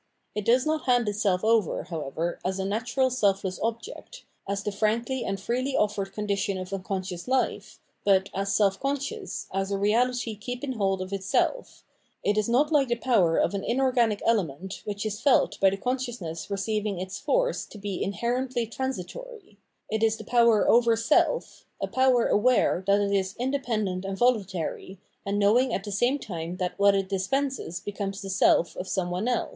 It does not hand itself over, however, as a natural self less object, as the frankly and freely offered condition of unconscious hfe, but as self conscious, as a reahty keeping hold of itself : it is not hke the power of an inorganic element which is felt by the conscious ness receiving its force to be inherently transitory ; it is the power over self, a power aware that it is indepen dent and voluntary, and knowing at the same time that what it dispenses becomes the self of some one else.